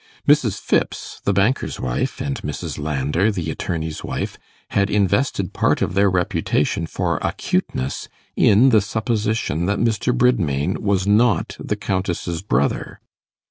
Mrs. Phipps, the banker's wife, and Mrs. Landor, the attorney's wife, had invested part of their reputation for acuteness in the supposition that Mr. Bridmain was not the Countess's brother.